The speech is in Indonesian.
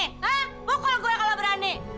hah pukul gue kalau berani